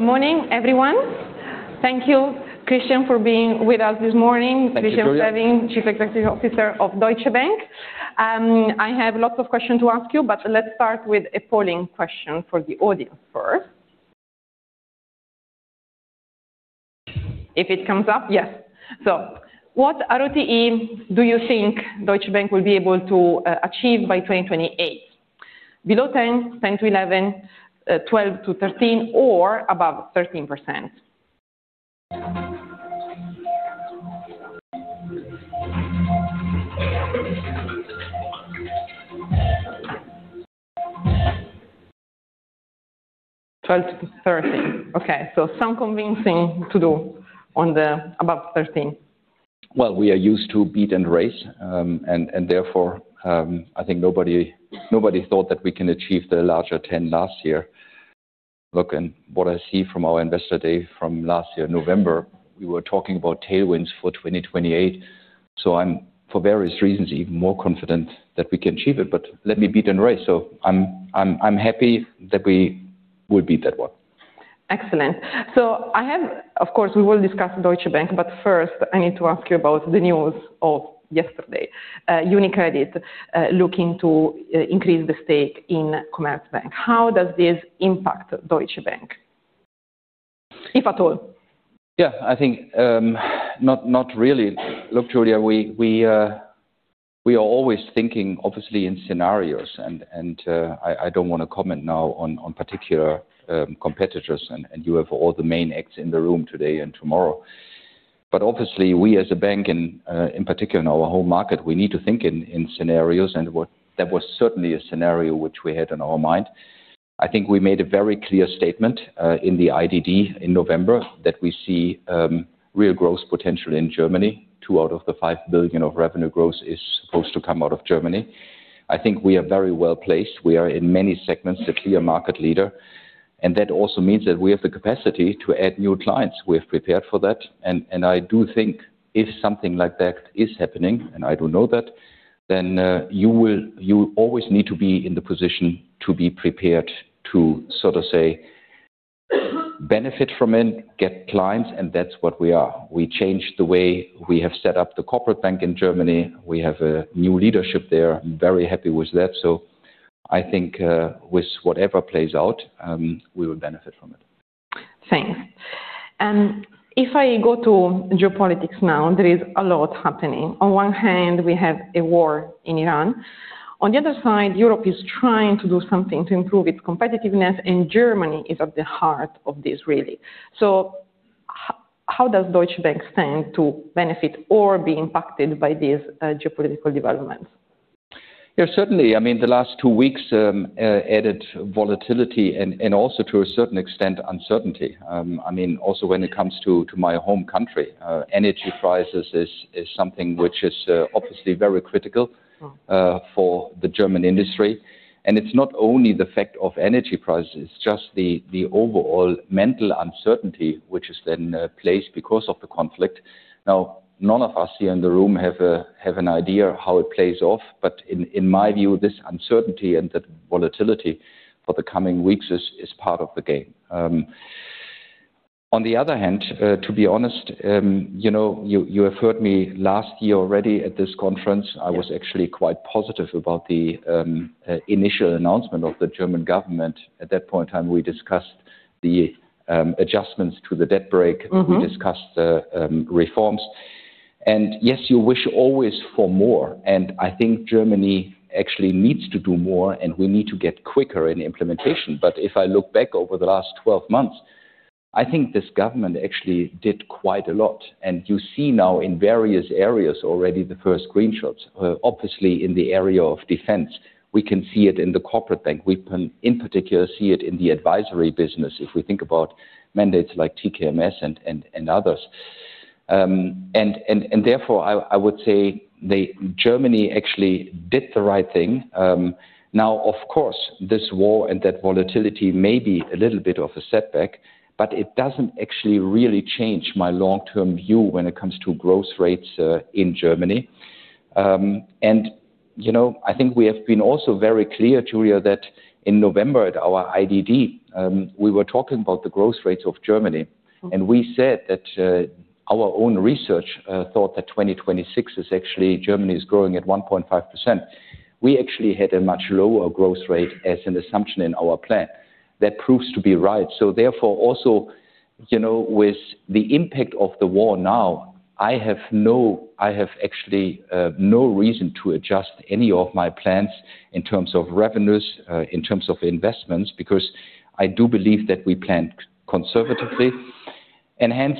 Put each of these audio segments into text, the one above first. Morning, everyone. Thank you, Christian, for being with us this morning. Thank you, Giulia. Christian Sewing, Chief Executive Officer of Deutsche Bank. I have lots of questions to ask you, but let's start with a polling question for the audience first. If it comes up. Yes. What ROTE do you think Deutsche Bank will be able to achieve by 2028? Below 10%-11%, 12%-13%, or above 13%. 12%-13%. Okay, so some convincing to do on the above 13%. Well, we are used to beat and raise, and therefore, I think nobody thought that we can achieve the 10 last year. Look, what I see from our investor day from last year, November, we were talking about tailwinds for 2028. I'm for various reasons even more confident that we can achieve it. Let me beat and raise. I'm happy that we will beat that one. Excellent. Of course, we will discuss Deutsche Bank, but first I need to ask you about the news of yesterday. UniCredit looking to increase the stake in Commerzbank. How does this impact Deutsche Bank, if at all? Yeah, I think not really. Look, Giulia, we are always thinking obviously in scenarios and I don't want to comment now on particular competitors and you have all the main banks in the room today and tomorrow. Obviously we as a bank and in particular in our home market, we need to think in scenarios and that was certainly a scenario which we had on our mind. I think we made a very clear statement in the IDD in November that we see real growth potential in Germany. 2 out of the 5 billion of revenue growth is supposed to come out of Germany. I think we are very well-placed. We are in many segments a clear market leader, and that also means that we have the capacity to add new clients. We are prepared for that. I do think if something like that is happening, and I don't know that, then, you always need to be in the position to be prepared to sort of say benefit from it, get clients, and that's what we are. We changed the way we have set up the corporate bank in Germany. We have a new leadership there. I'm very happy with that. I think, with whatever plays out, we will benefit from it. Thanks. If I go to geopolitics now, there is a lot happening. On one hand, we have a war in Iran. On the other side, Europe is trying to do something to improve its competitiveness, and Germany is at the heart of this really. How does Deutsche Bank stand to benefit or be impacted by these geopolitical developments? Yeah, certainly. I mean, the last two weeks added volatility and also to a certain extent, uncertainty. I mean, also when it comes to my home country, energy prices is something which is obviously very critical for the German industry. It's not only the fact of energy prices, it's just the overall general uncertainty which is then placed because of the conflict. Now, none of us here in the room have an idea how it plays out, but in my view, this uncertainty and the volatility for the coming weeks is part of the game. On the other hand, to be honest, you know, you have heard me last year already at this conference. Yeah. I was actually quite positive about the initial announcement of the German government. At that point in time, we discussed the adjustments to the debt brake. Mm-hmm. We discussed the reforms. Yes, you wish always for more, and I think Germany actually needs to do more, and we need to get quicker in implementation. If I look back over the last 12 months, I think this government actually did quite a lot. You see now in various areas already the first green shoots. Obviously in the area of defense, we can see it in the corporate bank. We can in particular see it in the advisory business if we think about mandates like TKMS and others. Therefore, I would say Germany actually did the right thing. Now of course, this war and that volatility may be a little bit of a setback, but it doesn't actually really change my long-term view when it comes to growth rates in Germany. You know, I think we have been also very clear, Giulia, that in November at our IDD, we were talking about the growth rates of Germany. Mm-hmm. We said that our own research thought that Germany is growing at 1.5%. We actually had a much lower growth rate as an assumption in our plan. That proves to be right. Therefore, also, you know, with the impact of the war now, I have actually no reason to adjust any of my plans in terms of revenues, in terms of investments, because I do believe that we planned conservatively. Hence,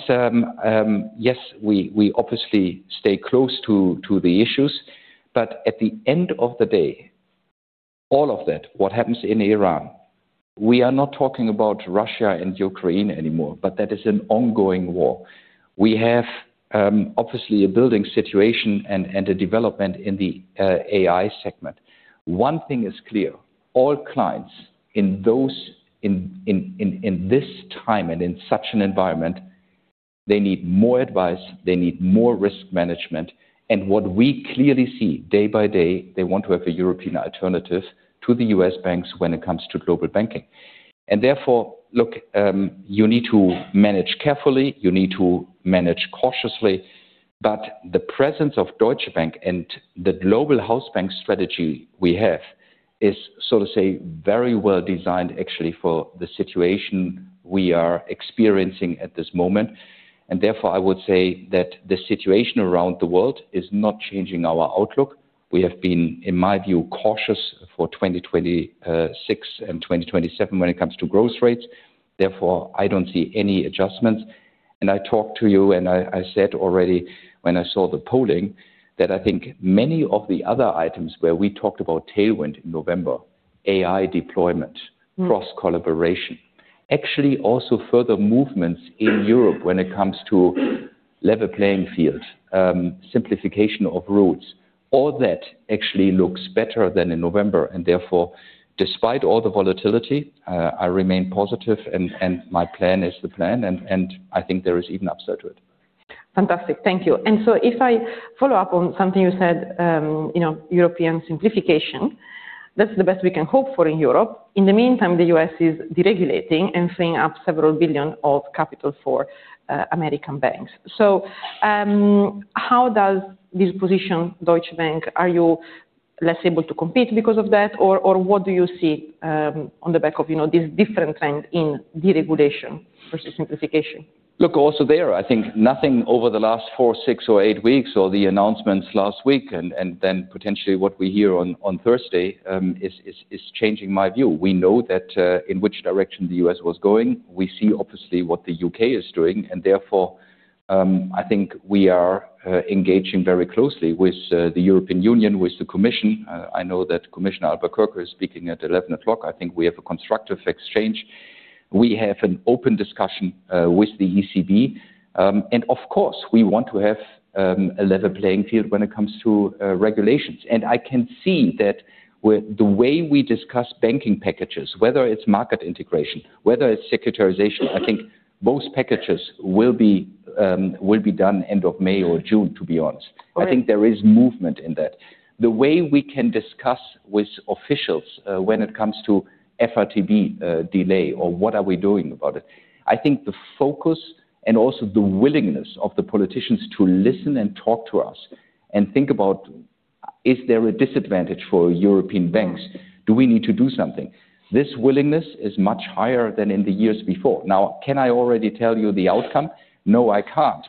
yes, we obviously stay close to the issues, but at the end of the day, all of that, what happens in Ukraine, we are not talking about Russia and Ukraine anymore, but that is an ongoing war. We have obviously a boiling situation and a development in the AI segment. One thing is clear, all clients in this time and in such an environment. They need more advice, they need more risk management. What we clearly see day by day, they want to have a European alternative to the U.S. banks when it comes to global banking. Therefore, look, you need to manage carefully, you need to manage cautiously. The presence of Deutsche Bank and the global house bank strategy we have is, so to say, very well designed actually for the situation we are experiencing at this moment. Therefore, I would say that the situation around the world is not changing our outlook. We have been, in my view, cautious for 2026 and 2027 when it comes to growth rates. Therefore, I don't see any adjustments. I talked to you and I said already when I saw the polling that I think many of the other items where we talked about tailwind in November, AI deployment, cross-collaboration, actually also further movements in Europe when it comes to level playing field, simplification of routes, all that actually looks better than in November. Therefore, despite all the volatility, I remain positive and my plan is the plan. I think there is even upside to it. Fantastic. Thank you. If I follow up on something you said, you know, European simplification, that's the best we can hope for in Europe. In the meantime, the U.S. is deregulating and freeing up several billion of capital for American banks. How does this position Deutsche Bank? Are you less able to compete because of that? Or what do you see on the back of, you know, this different trend in deregulation versus simplification? Look, also there, I think nothing over the last four, six or eight weeks or the announcements last week and then potentially what we hear on Thursday is changing my view. We know that in which direction the U.S. was going. We see obviously what the U.K. is doing, and therefore, I think we are engaging very closely with the European Union, with the Commission. I know that Commissioner Maria Luís Albuquerque is speaking at 11 o'clock. I think we have a constructive exchange. We have an open discussion with the ECB. Of course, we want to have a level playing field when it comes to regulations. I can see that with the way we discuss banking packages, whether it's market integration, whether it's securitization, I think both packages will be done end of May or June, to be honest. Okay. I think there is movement in that. The way we can discuss with officials, when it comes to FRTB, delay or what are we doing about it. I think the focus and also the willingness of the politicians to listen and talk to us and think about, is there a disadvantage for European banks? Do we need to do something? This willingness is much higher than in the years before. Now, can I already tell you the outcome? No, I can't.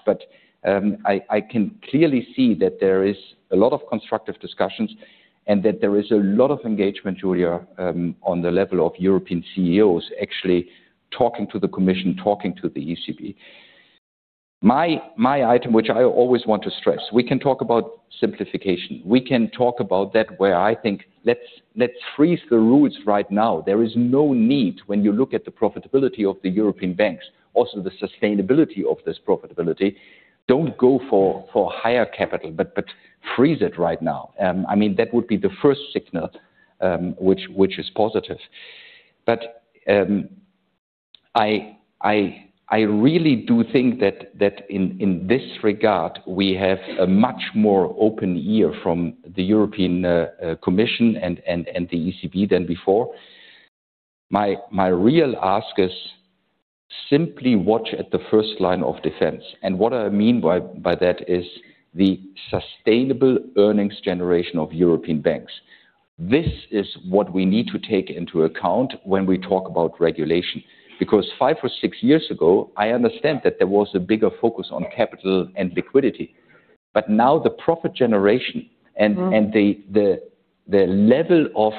I can clearly see that there is a lot of constructive discussions and that there is a lot of engagement, Giulia, on the level of European CEOs actually talking to the commission, talking to the ECB. My item, which I always want to stress, we can talk about simplification. We can talk about that where I think let's freeze the rules right now. There is no need when you look at the profitability of the European banks, also the sustainability of this profitability. Don't go for higher capital, but freeze it right now. I mean, that would be the first signal, which is positive. I really do think that in this regard, we have a much more open ear from the European Commission and the ECB than before. My real ask is simply watch at the first line of defense. What I mean by that is the sustainable earnings generation of European banks. This is what we need to take into account when we talk about regulation. Because five or six years ago, I understand that there was a bigger focus on capital and liquidity. Now the profit generation and. Mm-hmm. The level of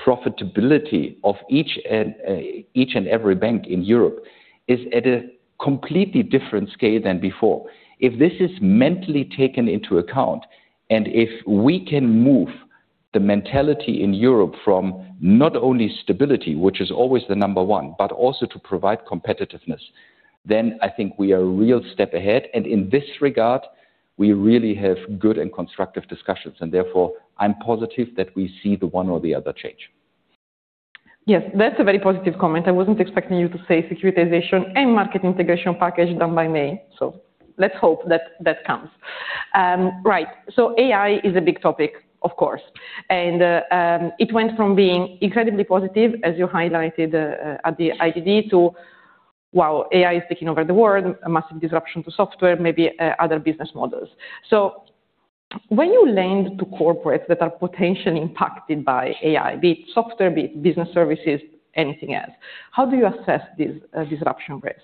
profitability of each and every bank in Europe is at a completely different scale than before. If this is mentally taken into account, and if we can move the mentality in Europe from not only stability, which is always the number one, but also to provide competitiveness, then I think we are a real step ahead. In this regard, we really have good and constructive discussions, and therefore I'm positive that we see the one or the other change. Yes. That's a very positive comment. I wasn't expecting you to say securitization and market integration package done by May. Let's hope that comes. AI is a big topic, of course. It went from being incredibly positive, as you highlighted, at the IDD to, wow, AI is taking over the world, a massive disruption to software, maybe, other business models. When you lend to corporates that are potentially impacted by AI, be it software, be it business services, anything else, how do you assess this disruption risk?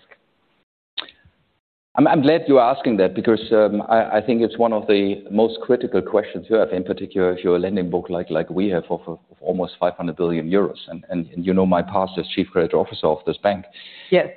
I'm glad you're asking that because I think it's one of the most critical questions you have, in particular if you have a lending book like we have of almost 500 billion euros, and you know my past as chief credit officer of this bank. Yes.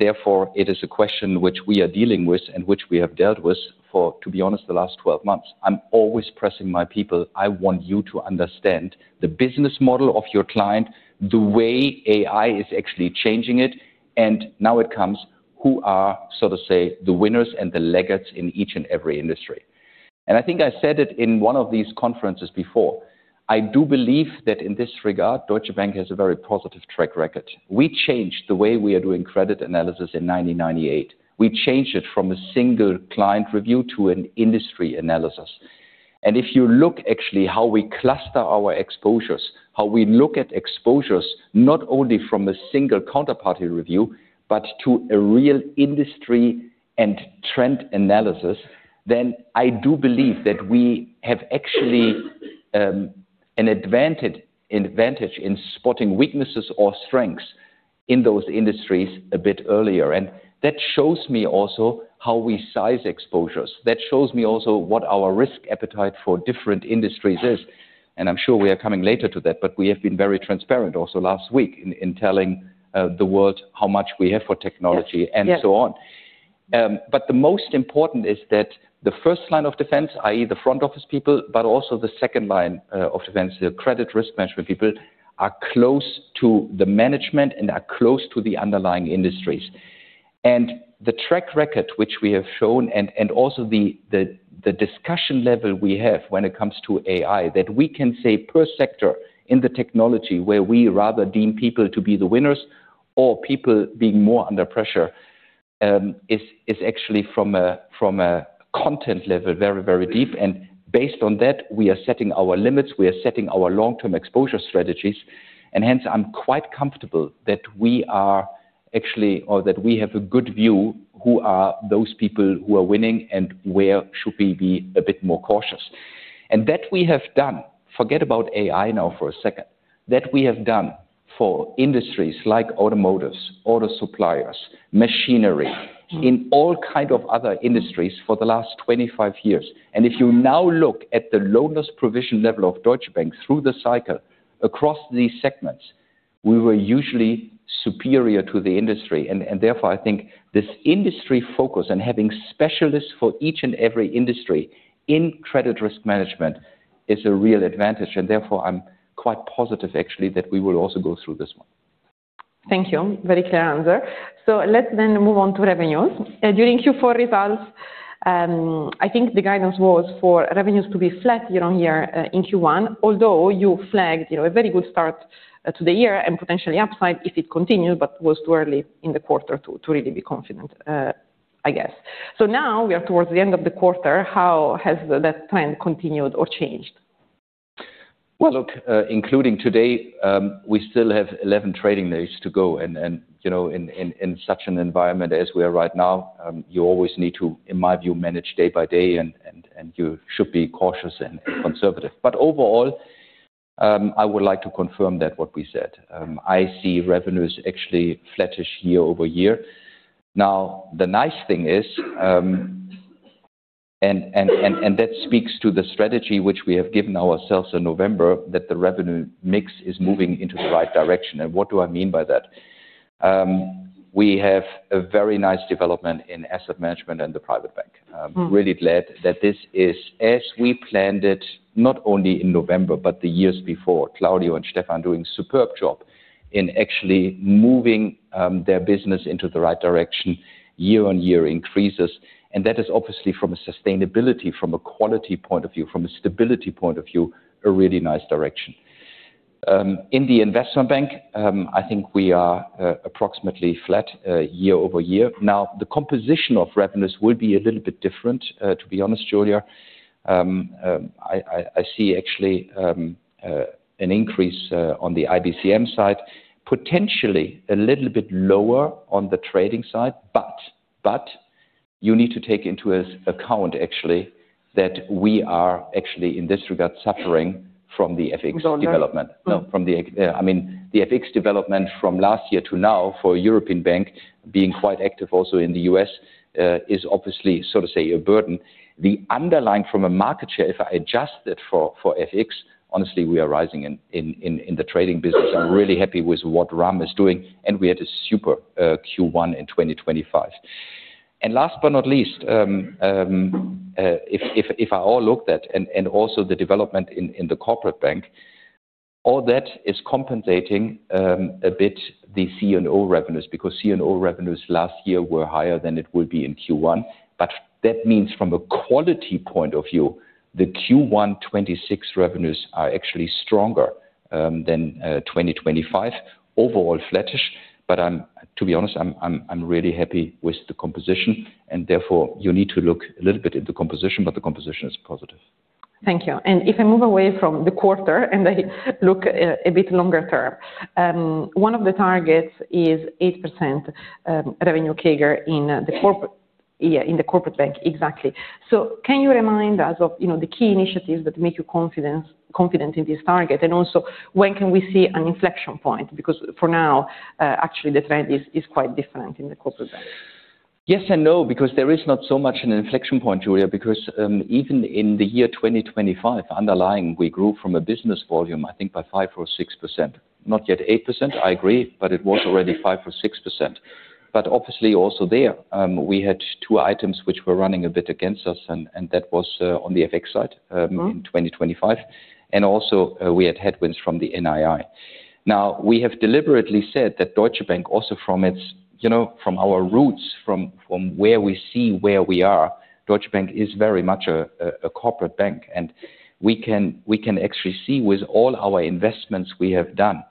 Therefore it is a question which we are dealing with and which we have dealt with for, to be honest, the last 12 months. I'm always pressing my people. I want you to understand the business model of your client, the way AI is actually changing it, and now it comes who are, so to say, the winners and the laggards in each and every industry. I think I said it in one of these conferences before. I do believe that in this regard, Deutsche Bank has a very positive track record. We changed the way we are doing credit analysis in 1998. We changed it from a single client review to an industry analysis. If you look actually how we cluster our exposures, how we look at exposures, not only from a single counterparty review, but to a real industry and trend analysis, then I do believe that we have actually an advantage in spotting weaknesses or strengths in those industries a bit earlier. That shows me also how we size exposures. That shows me also what our risk appetite for different industries is, and I'm sure we are coming later to that, but we have been very transparent also last week in telling the world how much we have for technology and so on. The most important is that the first line of defense, i.e. the front office people, but also the second line of defense, the credit risk management people, are close to the management and are close to the underlying industries. The track record which we have shown and also the discussion level we have when it comes to AI, that we can say per sector in the technology where we rather deem people to be the winners or people being more under pressure, is actually from a content level, very, very deep. Based on that, we are setting our limits, we are setting our long-term exposure strategies. Hence, I'm quite comfortable that we are actually or that we have a good view who are those people who are winning and where should we be a bit more cautious. That we have done. Forget about AI now for a second. That we have done for industries like automotives, auto suppliers, machinery, in all kind of other industries for the last 25 years. If you now look at the loan loss provision level of Deutsche Bank through the cycle across these segments, we were usually superior to the industry. Therefore, I think this industry focus and having specialists for each and every industry in credit risk management is a real advantage. Therefore, I'm quite positive actually that we will also go through this one. Thank you. Very clear answer. Let's then move on to revenues. During Q4 results, I think the guidance was for revenues to be flat year-on-year in Q1, although you flagged, you know, a very good start to the year and potentially upside if it continued but was too early in the quarter to really be confident. Now we are towards the end of the quarter, how has that trend continued or changed? Well, look, including today, we still have 11 trading days to go. You know, in such an environment as we are right now, you always need to, in my view, manage day by day and you should be cautious and conservative. Overall, I would like to confirm that what we said. I see revenues actually flattish year-over-year. Now, the nice thing is, that speaks to the strategy which we have given ourselves in November, that the revenue mix is moving into the right direction. What do I mean by that? We have a very nice development in asset management and the private bank. Really glad that this is as we planned it, not only in November, but the years before. Claudio and Stefan doing superb job in actually moving their business into the right direction year-on-year increases. That is obviously from a sustainability, from a quality point of view, from a stability point of view, a really nice direction. In the investment bank, I think we are approximately flat year-over-year. Now, the composition of revenues will be a little bit different, to be honest, Giulia. I see actually an increase on the IBCM side, potentially a little bit lower on the trading side. But you need to take into account actually that we are actually in this regard suffering from the FX development. No, from the I mean, the FX development from last year to now for a European bank being quite active also in the U.S. is obviously so to say a burden. The underlying from a market share, if I adjust it for FX, honestly, we are rising in the trading business. I'm really happy with what Ram is doing, and we had a super Q1 in 2025. Last but not least, if I look at all and also the development in the corporate bank, all that is compensating a bit the C&O revenues, because C&O revenues last year were higher than it will be in Q1. That means from a quality point of view, the Q1 2026 revenues are actually stronger than 2025. Overall flattish, but to be honest, I'm really happy with the composition and therefore you need to look a little bit at the composition, but the composition is positive. Thank you. If I move away from the quarter and I look a bit longer term, one of the targets is 8% revenue CAGR in the corporate, yeah, in the corporate bank. Exactly. Can you remind us of, you know, the key initiatives that make you confident in this target? Also, when can we see an inflection point? Because for now, actually the trend is quite different in the corporate bank. Yes and no, because there is not so much an inflection point, Giulia, because even in the year 2025, underlying we grew from a business volume, I think by 5% or 6%. Not yet 8%, I agree, but it was already 5% or 6%. Obviously also there, we had two items which were running a bit against us, and that was on the FX side in 2025. We also had headwinds from the NII. Now, we have deliberately said that Deutsche Bank also from its you know, from our roots, from where we see where we are, Deutsche Bank is very much a corporate bank. We can actually see with all our investments we have done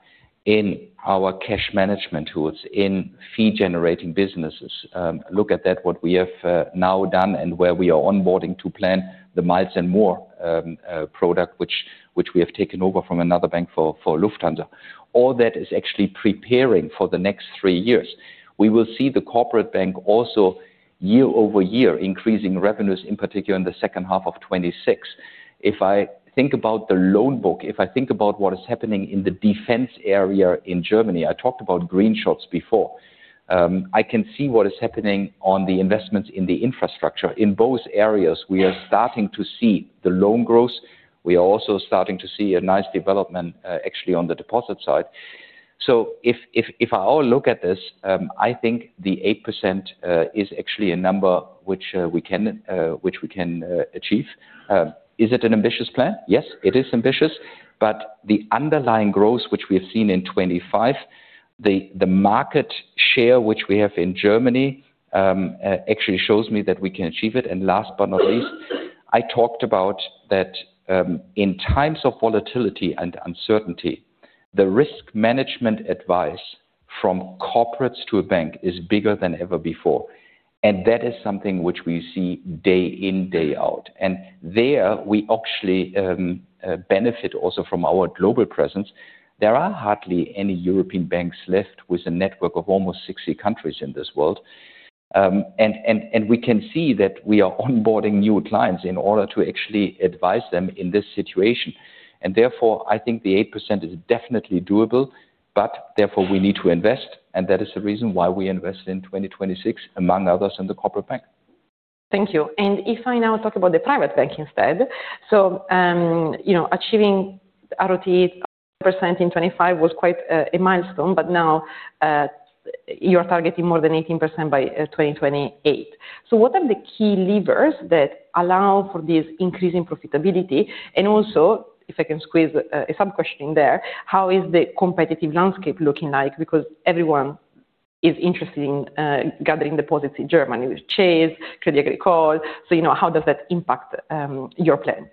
in our cash management tools, in fee generating businesses, look at what we have now done and where we are onboarding to plan the Miles & More product which we have taken over from another bank for Lufthansa. All that is actually preparing for the next three years. We will see the corporate bank also year-over-year increasing revenues, in particular in the second half of 2026. If I think about the loan book, if I think about what is happening in the defense area in Germany, I talked about green shoots before. I can see what is happening on the investments in the infrastructure. In both areas, we are starting to see the loan growth. We are also starting to see a nice development, actually on the deposit side. If I look at this, I think the 8% is actually a number which we can achieve. Is it an ambitious plan? Yes, it is ambitious, but the underlying growth which we have seen in 2025, the market share which we have in Germany, actually shows me that we can achieve it. Last but not least, I talked about that, in times of volatility and uncertainty, the risk management advice from corporates to a bank is bigger than ever before. That is something which we see day in, day out. There we actually benefit also from our global presence. There are hardly any European banks left with a network of almost 60 countries in this world. We can see that we are onboarding new clients in order to actually advise them in this situation. Therefore, I think the 8% is definitely doable, but therefore we need to invest, and that is the reason why we invest in 2026 among others in the corporate bank. Thank you. If I now talk about the private bank instead. You know, achieving RoTE 8% in 2025 was quite a milestone, but now, you are targeting more than 18% by 2028. What are the key levers that allow for this increase in profitability? Also, if I can squeeze a sub-question in there, how is the competitive landscape looking like? Because everyone is interested in gathering deposits in Germany with Chase, Crédit Agricole. You know, how does that impact your plan?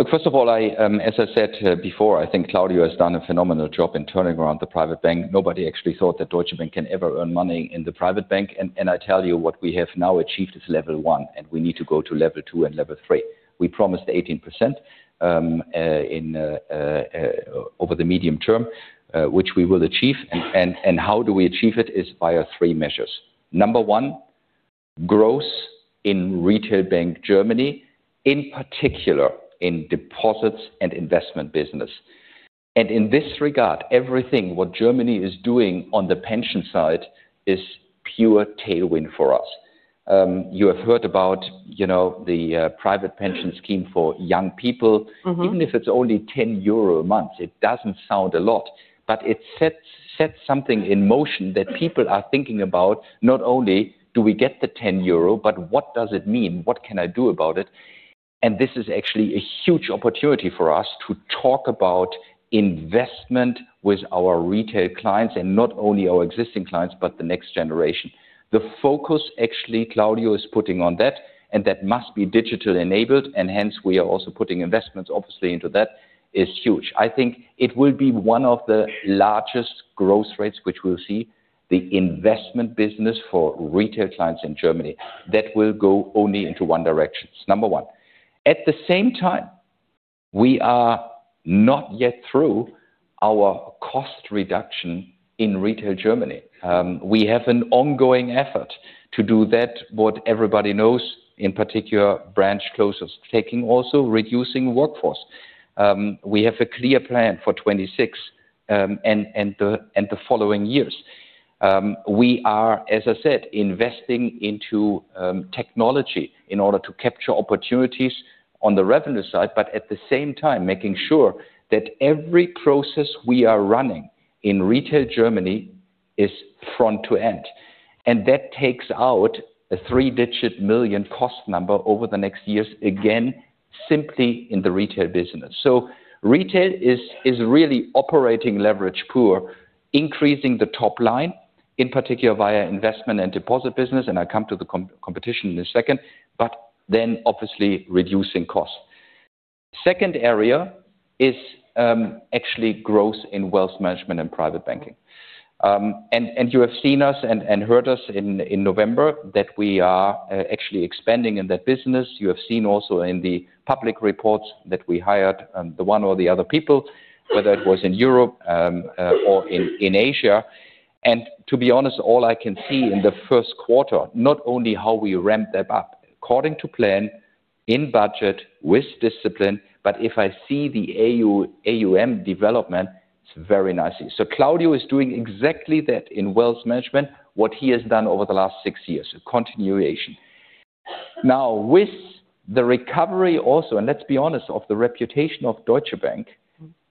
Look, first of all, as I said before, I think Claudio has done a phenomenal job in turning around the private bank. Nobody actually thought that Deutsche Bank can ever earn money in the private bank. I tell you what we have now achieved is level one, and we need to go to level two and level three. We promised 18% over the medium term, which we will achieve. How do we achieve it is via three measures. Number one, growth in retail bank Germany, in particular in deposits and investment business. In this regard, everything what Germany is doing on the pension side is pure tailwind for us. You have heard about, you know, the private pension scheme for young people. Mm-hmm. Even if it's only 10 euro a month, it doesn't sound a lot, but it sets something in motion that people are thinking about, not only do we get the 10 euro, but what does it mean? What can I do about it? This is actually a huge opportunity for us to talk about investment with our retail clients and not only our existing clients, but the next generation. The focus actually Claudio is putting on that, and that must be digitally enabled and hence we are also putting investments obviously into that, is huge. I think it will be one of the largest growth rates which we'll see the investment business for retail clients in Germany that will go only into one direction. It's number one. At the same time, we are not yet through our cost reduction in retail Germany. We have an ongoing effort to do that, what everybody knows, in particular branch closures, taking also reducing workforce. We have a clear plan for 2026 and the following years. We are, as I said, investing into technology in order to capture opportunities on the revenue side, but at the same time making sure that every process we are running in retail Germany is front to end. That takes out a three-digit million cost number over the next years, again, simply in the retail business. Retail is really operating leverage pool, increasing the top line, in particular via investment and deposit business, and I come to the competition in a second, but then obviously reducing costs. Second area is actually growth in wealth management and private banking. You have seen us and heard us in November that we are actually expanding in that business. You have seen also in the public reports that we hired the one or the other people, whether it was in Europe or in Asia. To be honest, all I can see in the first quarter, not only how we ramped that up according to plan in budget with discipline, but if I see the AUM development, it's very nicely. Claudio is doing exactly that in wealth management, what he has done over the last six years, a continuation. Now, with the recovery also, and let's be honest, of the reputation of Deutsche Bank,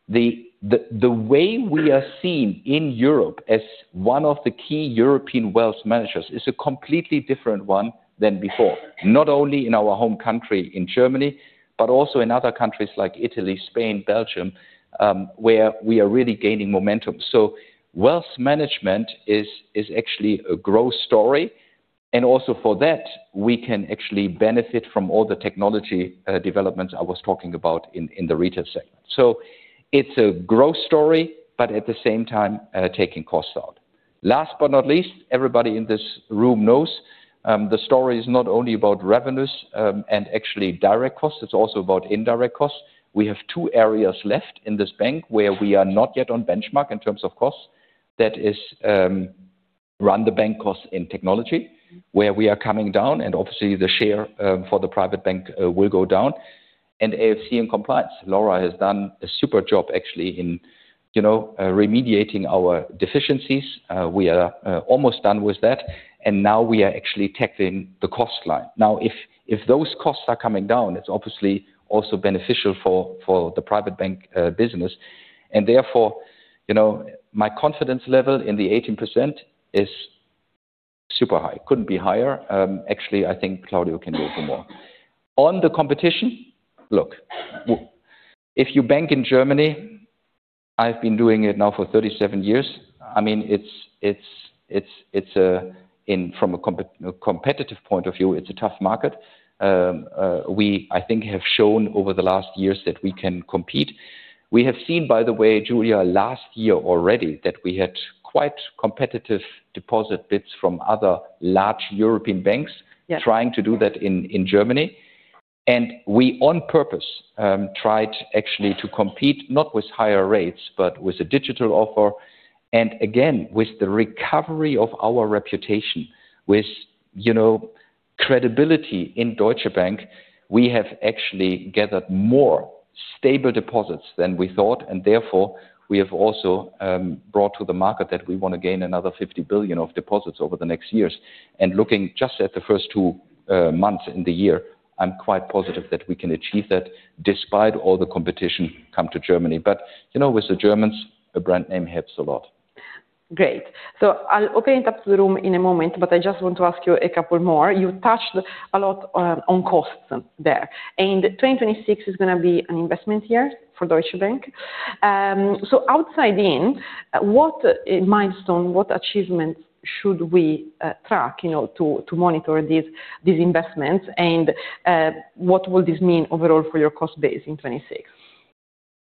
the way we are seen in Europe as one of the key European wealth managers is a completely different one than before. Not only in our home country in Germany, but also in other countries like Italy, Spain, Belgium, where we are really gaining momentum. Wealth management is actually a growth story. Also for that we can actually benefit from all the technology developments I was talking about in the retail segment. It's a growth story, but at the same time, taking costs out. Last but not least, everybody in this room knows the story is not only about revenues and actually direct costs, it's also about indirect costs. We have two areas left in this bank where we are not yet on benchmark in terms of costs. That is, run the bank costs in technology where we are coming down and obviously the share for the private bank will go down. AFC and compliance, Laura has done a super job actually in, you know, remediating our deficiencies. We are almost done with that, and now we are actually tackling the cost line. Now, if those costs are coming down, it's obviously also beneficial for the private bank business. Therefore, you know, my confidence level in the 18% is super high. Couldn't be higher. Actually, I think Claudio can go for more. On the competition, look, if you bank in Germany, I've been doing it now for 37 years. I mean, it's from a competitive point of view, it's a tough market. We, I think, have shown over the last years that we can compete. We have seen, by the way, Giulia, last year already that we had quite competitive deposit bids from other large European banks. Yes Trying to do that in Germany. We on purpose tried actually to compete not with higher rates, but with a digital offer. Again, with the recovery of our reputation, with you know, credibility in Deutsche Bank, we have actually gathered more stable deposits than we thought. Therefore, we have also brought to the market that we want to gain another 50 billion of deposits over the next years. Looking just at the first two months in the year, I'm quite positive that we can achieve that despite all the competition coming to Germany. You know, with the Germans, a brand name helps a lot. Great. I'll open it up to the room in a moment, but I just want to ask you a couple more. You touched a lot on costs there, and 2026 is gonna be an investment year for Deutsche Bank. Outside in, what milestone, what achievements should we track, you know, to monitor these investments? What will this mean overall for your cost base in 2026?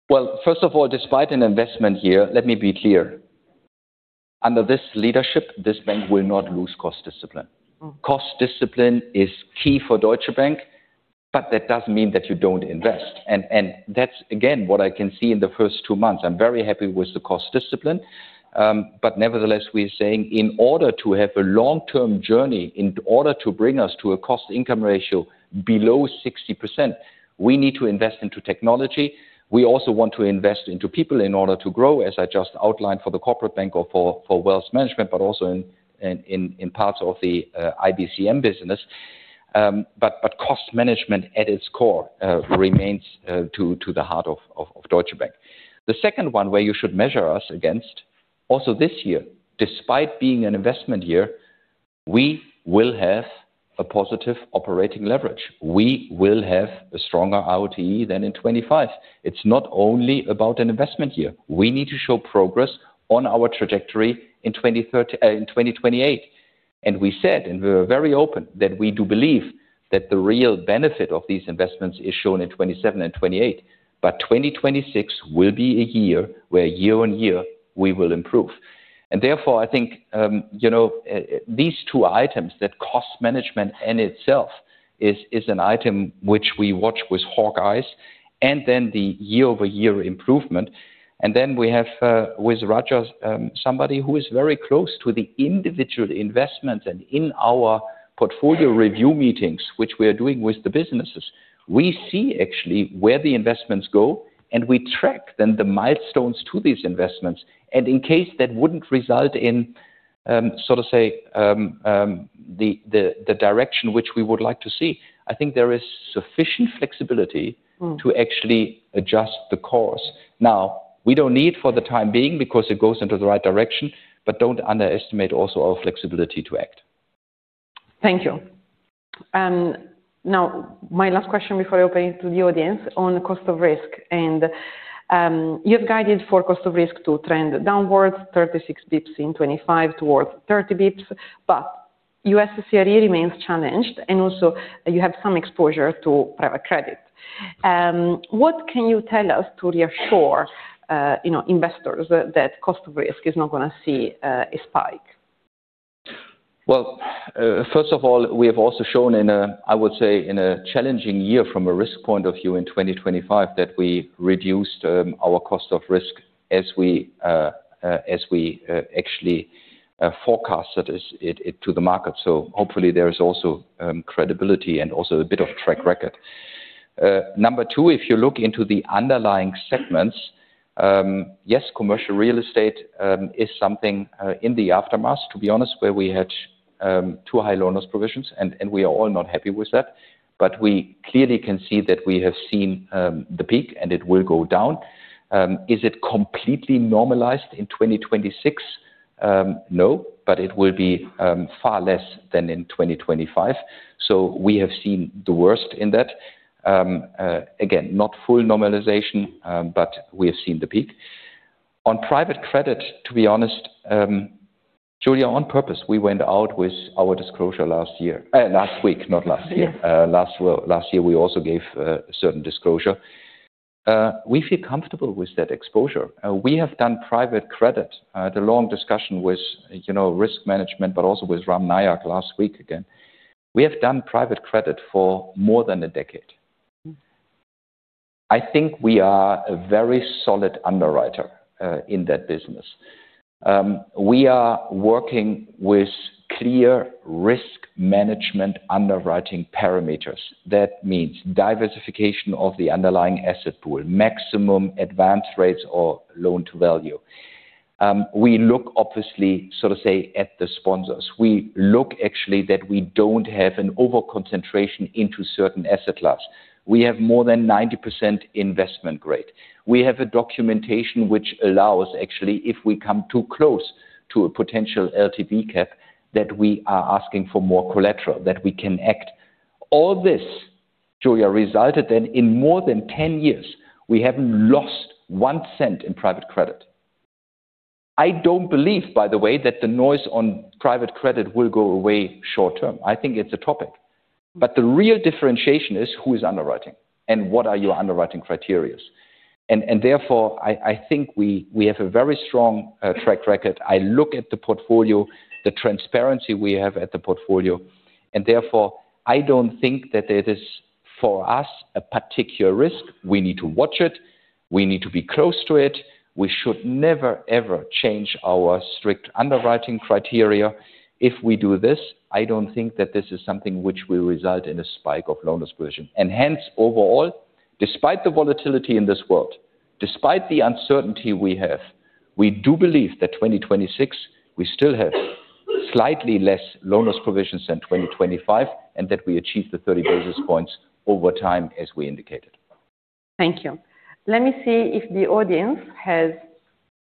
Well, first of all, despite an investment year, let me be clear. Under this leadership, this bank will not lose cost discipline. Mm. Cost discipline is key for Deutsche Bank, but that doesn't mean that you don't invest. That's again what I can see in the first two months. I'm very happy with the cost discipline. Nevertheless we are saying in order to have a long-term journey, in order to bring us to a cost income ratio below 60%, we need to invest into technology. We also want to invest into people in order to grow, as I just outlined for the corporate bank or for wealth management, but also in parts of the IBCM business. Cost management at its core remains at the heart of Deutsche Bank. The second one where you should measure us against also this year, despite being an investment year, we will have a positive operating leverage. We will have a stronger RoTE than in 2025. It's not only about an investment year. We need to show progress on our trajectory in 2028. We said, we're very open that we do believe that the real benefit of these investments is shown in 2027 and 2028. 2026 will be a year where year-over-year we will improve. Therefore, I think, you know, these two items that cost management in itself is an item which we watch with hawk eyes and then the year-over-year improvement. We have [with Roger] somebody who is very close to the individual investments. In our portfolio review meetings, which we are doing with the businesses, we see actually where the investments go, and we track then the milestones to these investments. In case that wouldn't result in the direction which we would like to see, I think there is sufficient flexibility. Mm. To actually adjust the course. Now, we don't need for the time being because it goes into the right direction, but don't underestimate also our flexibility to act. Thank you. Now my last question before I open it to the audience on cost of risk. You've guided for cost of risk to trend downwards 36 basis points in 2025 towards 30 basis points. US CRE remains challenged and also you have some exposure to private credit. What can you tell us to reassure, you know, investors that cost of risk is not gonna see a spike? Well, first of all, we have also shown in a challenging year from a risk point of view in 2025, that we reduced our cost of risk as we actually forecasted it to the market. Hopefully there is also credibility and also a bit of track record. Number two, if you look into the underlying segments, yes, commercial real estate is something in the aftermath, to be honest, where we had too high loan loss provisions and we are all not happy with that. We clearly can see that we have seen the peak and it will go down. Is it completely normalized in 2026? No, but it will be far less than in 2025. We have seen the worst in that. Again, not full normalization, but we have seen the peak. On private credit, to be honest, Giulia, on purpose, we went out with our disclosure last year. Last week, not last year. Yeah. Last year we also gave a certain disclosure. We feel comfortable with that exposure. We have done private credit. The long discussion with, you know, risk management, but also with Ram Nayak last week again. We have done private credit for more than a decade. Mm-hmm. I think we are a very solid underwriter in that business. We are working with clear risk management underwriting parameters. That means diversification of the underlying asset pool, maximum advance rates or loan to value. We look obviously, so to say, at the sponsors. We look actually that we don't have an over-concentration into certain asset class. We have more than 90% investment grade. We have a documentation which allows actually if we come too close to a potential LTV cap, that we are asking for more collateral that we can act. All this, Giulia, resulted in more than 10 years, we haven't lost one cent in private credit. I don't believe, by the way, that the noise on private credit will go away short term. I think it's a topic. The real differentiation is who is underwriting and what are your underwriting criteria. Therefore, I think we have a very strong track record. I look at the portfolio, the transparency we have at the portfolio, and therefore, I don't think that it is for us a particular risk. We need to watch it. We need to be close to it. We should never, ever change our strict underwriting criteria. If we do this, I don't think that this is something which will result in a spike of loan dispersion. Hence, overall, despite the volatility in this world, despite the uncertainty we have, we do believe that 2026, we still have slightly less loan loss provisions than 2025, and that we achieve the 30 basis points over time as we indicated. Thank you. Let me see if the audience has.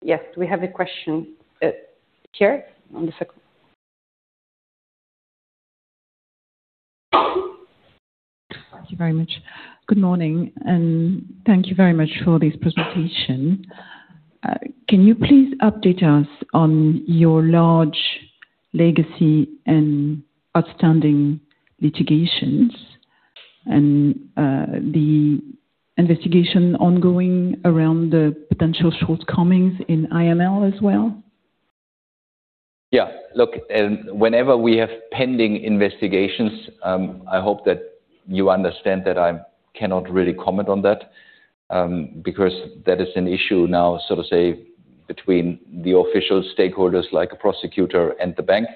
Yes, we have a question here on the second. Thank you very much. Good morning, and thank you very much for this presentation. Can you please update us on your large legacy and outstanding litigations and, the investigation ongoing around the potential shortcomings in AML as well? Yeah. Look, whenever we have pending investigations, I hope that you understand that I cannot really comment on that, because that is an issue now, so to say, between the official stakeholders, like a prosecutor and the bank.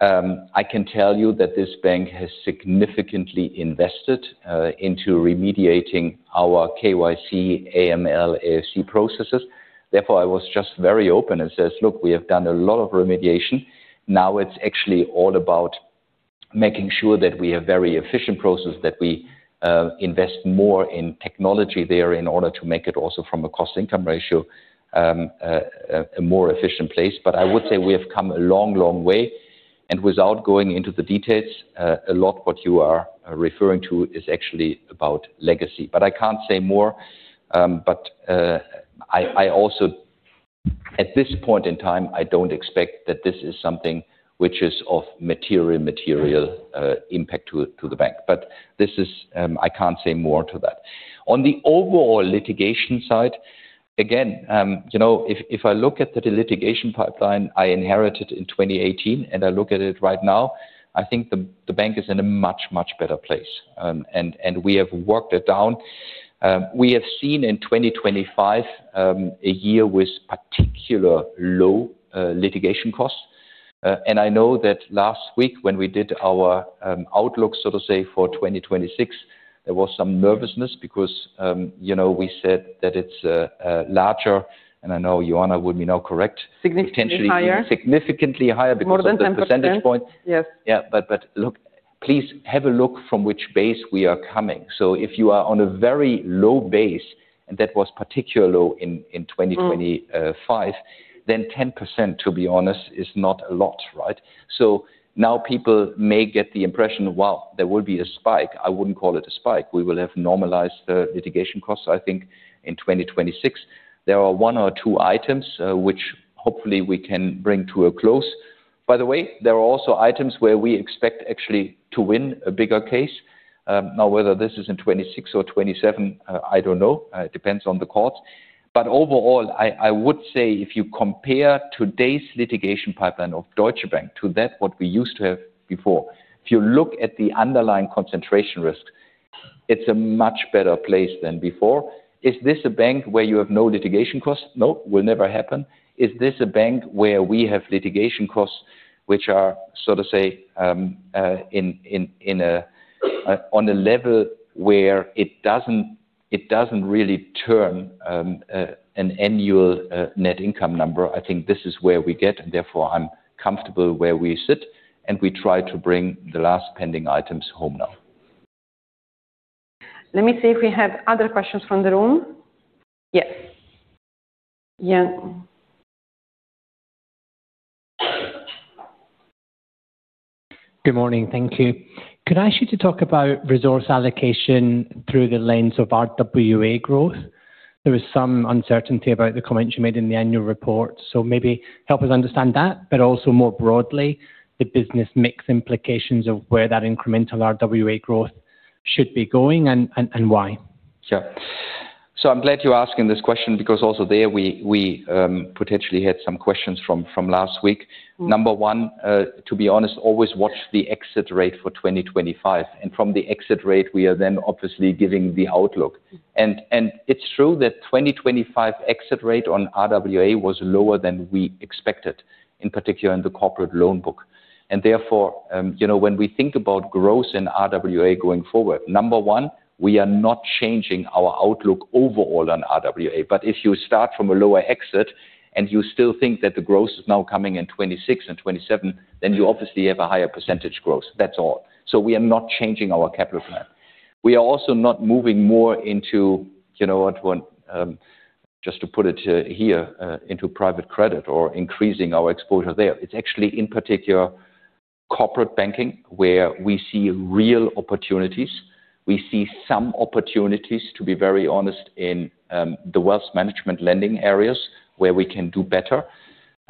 I can tell you that this bank has significantly invested into remediating our KYC, AML, AFC processes. Therefore, I was just very open and says, "Look, we have done a lot of remediation." Now it's actually all about making sure that we have very efficient process, that we invest more in technology there in order to make it also from a cost income ratio, a more efficient place. But I would say we have come a long, long way. Without going into the details, a lot what you are referring to is actually about legacy. But I can't say more. At this point in time, I don't expect that this is something which is of material impact to the bank. This is. I can't say more to that. On the overall litigation side, again, you know, if I look at the litigation pipeline I inherited in 2018 and I look at it right now, I think the bank is in a much better place. We have worked it down. We have seen in 2025 a year with particularly low litigation costs. I know that last week when we did our outlook, so to say, for 2026, there was some nervousness because, you know, we said that it's larger, and I know James von Moltke would be now correct- Significantly higher. Potentially significantly higher because of. More than 10% the percentage point. Yes. look, please have a look from which base we are coming. If you are on a very low base, and that was particularly low in 2020. Mm. 5%, then 10%, to be honest, is not a lot, right? Now people may get the impression, wow, there will be a spike. I wouldn't call it a spike. We will have normalized the litigation costs, I think, in 2026. There are one or two items, which hopefully we can bring to a close. By the way, there are also items where we expect actually to win a bigger case. Now whether this is in 2026 or 2027, I don't know. It depends on the courts. Overall, I would say if you compare today's litigation pipeline of Deutsche Bank to what we used to have before, if you look at the underlying concentration risk, it's a much better place than before. Is this a bank where you have no litigation costs? No. Will never happen. Is this a bank where we have litigation costs which are so to say, in a on a level where it doesn't really turn an annual net income number? I think this is where we get, and therefore I'm comfortable where we sit, and we try to bring the last pending items home now. Let me see if we have other questions from the room. Yes. Yang. Good morning. Thank you. Could I ask you to talk about resource allocation through the lens of RWA growth? There was some uncertainty about the comments you made in the annual report, so maybe help us understand that, but also more broadly, the business mix implications of where that incremental RWA growth should be going and why. Sure. I'm glad you're asking this question because also there we potentially had some questions from last week. Number one, to be honest, always watch the exit rate for 2025. From the exit rate we are then obviously giving the outlook. It's true that 2025 exit rate on RWA was lower than we expected, in particular in the corporate loan book. Therefore, you know, when we think about growth in RWA going forward, number one, we are not changing our outlook overall on RWA. If you start from a lower exit and you still think that the growth is now coming in 2026 and 2027, then you obviously have a higher percentage growth. That's all. We are not changing our capital plan. We are also not moving more into, you know what, just to put it here, into private credit or increasing our exposure there. It's actually in particular Corporate Banking where we see real opportunities. We see some opportunities, to be very honest, in the Wealth Management lending areas where we can do better.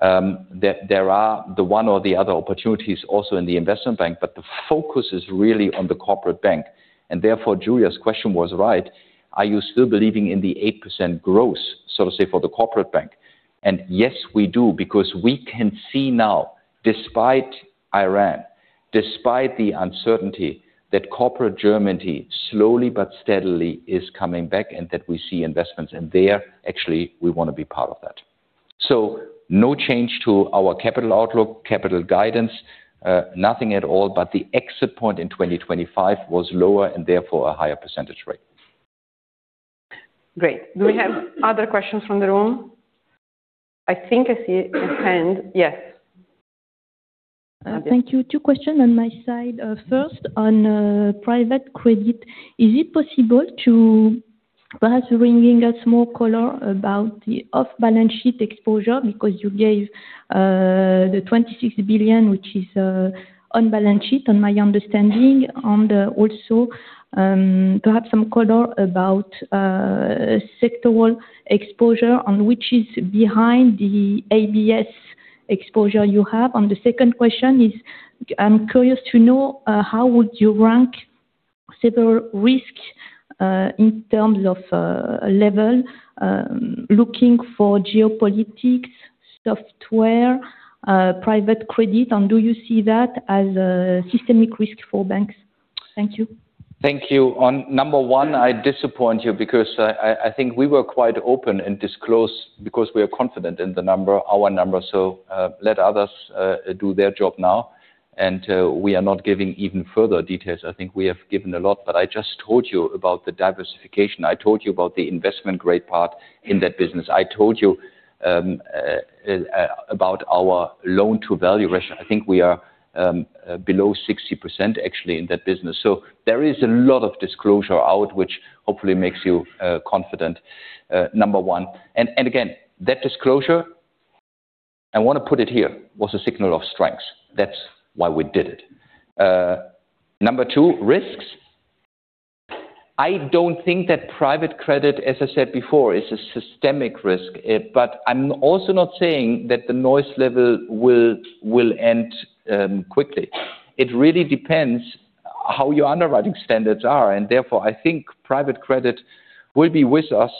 That there are the one or the other opportunities also in the Investment Bank, but the focus is really on the Corporate Bank. Therefore, Giulia's question was right. Are you still believing in the 8% growth, so to say, for the Corporate Bank? Yes, we do, because we can see now, despite Iran, despite the uncertainty that corporate Germany slowly but steadily is coming back and that we see investments in there, actually, we want to be part of that. No change to our capital outlook, capital guidance, nothing at all, but the exit point in 2025 was lower and therefore a higher percentage rate. Great. Do we have other questions from the room? I think I see a hand. Yes. Thank you. Two questions on my side. First on private credit. Is it possible to perhaps bringing us more color about the off-balance sheet exposure because you gave the 26 billion, which is on balance sheet on my understanding. Also, to have some color about sectoral exposure on which is behind the ABS exposure you have. The second question is, I'm curious to know how would you rank several risk in terms of level looking for geopolitics, software, private credit, and do you see that as a systemic risk for banks? Thank you. Thank you. On number one, I disappoint you because I think we were quite open and disclosed because we are confident in the number, our number. Let others do their job now. We are not giving even further details. I think we have given a lot. I just told you about the diversification. I told you about the investment-grade part in that business. I told you about our loan-to-value ratio. I think we are below 60% actually in that business. There is a lot of disclosure out, which hopefully makes you confident number one. That disclosure, I wanna put it here, was a signal of strength. That's why we did it. Number two, risks. I don't think that private credit, as I said before, is a systemic risk, but I'm also not saying that the noise level will end quickly. It really depends how your underwriting standards are, and therefore, I think private credit will be with us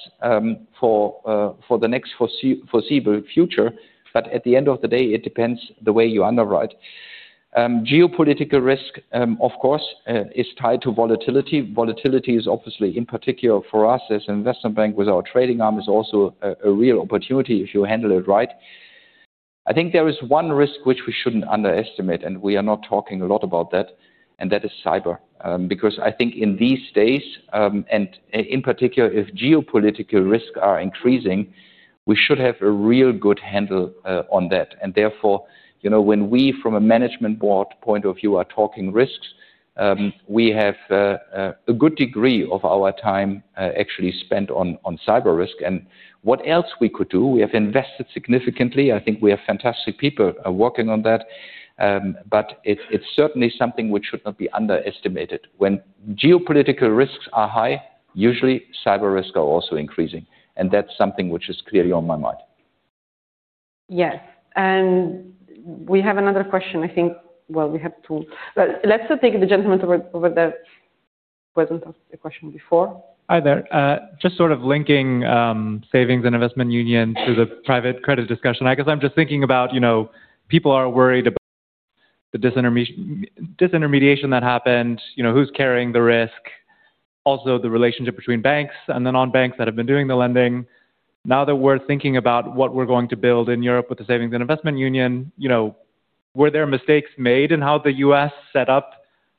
for the next foreseeable future. At the end of the day, it depends the way you underwrite. Geopolitical risk, of course, is tied to volatility. Volatility is obviously, in particular for us as an investment bank with our trading arm, is also a real opportunity if you handle it right. I think there is one risk which we shouldn't underestimate, and we are not talking a lot about that, and that is cyber. I think in these days, and in particular, if geopolitical risk are increasing, we should have a real good handle on that. Therefore, you know, when we from a management board point of view are talking risks, we have a good degree of our time actually spent on cyber risk and what else we could do. We have invested significantly. I think we have fantastic people are working on that. It's certainly something which should not be underestimated. When geopolitical risks are high, usually cyber risk are also increasing, and that's something which is clearly on my mind. Yes. We have another question, I think. Well, we have two. Well, let's take the gentleman over there who hasn't asked a question before. Hi there. Just sort of linking Savings and Investments Union to the private credit discussion. I guess I'm just thinking about, you know, people are worried about the disintermediation that happened, you know, who's carrying the risk, also the relationship between banks and the non-banks that have been doing the lending. Now that we're thinking about what we're going to build in Europe with the Savings and Investments Union, you know, were there mistakes made in how the U.S. set up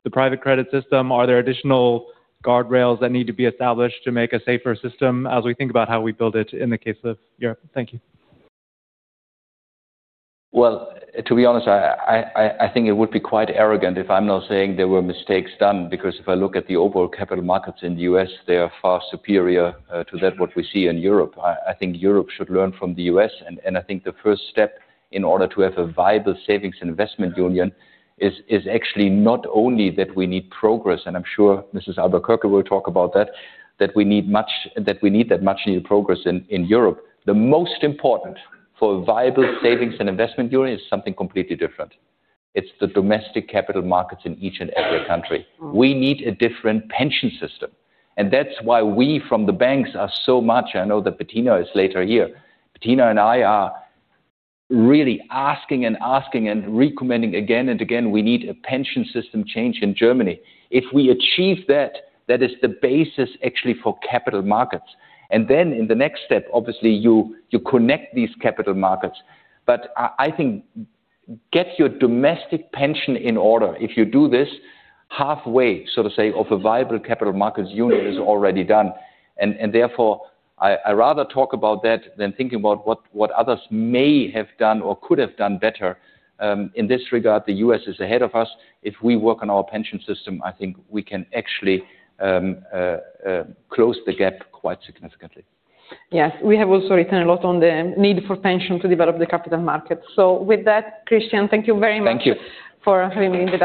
the private credit system? Are there additional guardrails that need to be established to make a safer system as we think about how we build it in the case of Europe? Thank you. Well, to be honest, I think it would be quite arrogant if I'm now saying there were mistakes done, because if I look at the overall capital markets in the U.S., they are far superior to what we see in Europe. I think Europe should learn from the U.S. I think the first step in order to have a viable Savings and Investments Union is actually not only that we need progress, and I'm sure Mrs. Albuquerque will talk about that we need that much needed progress in Europe. The most important for viable Savings and Investments Union is something completely different. It's the domestic capital markets in each and every country. We need a different pension system. That's why we from the banks are so much. I know that [Fabrizio Campelli] is later here. [Fabrizio Campelli] and I are really asking and recommending again and again, we need a pension system change in Germany. If we achieve that is the basis actually for capital markets. Then in the next step, obviously, you connect these capital markets. I think get your domestic pension in order. If you do this halfway, so to say, of a viable Capital Markets Union is already done. Therefore, I rather talk about that than thinking about what others may have done or could have done better. In this regard, the US is ahead of us. If we work on our pension system, I think we can actually close the gap quite significantly. Yes. We have also written a lot on the need for pension to develop the capital market. With that, Christian, thank you very much. Thank you. For having me today.